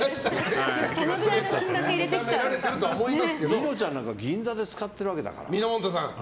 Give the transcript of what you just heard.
みのちゃんなんて銀座で使っているわけですから。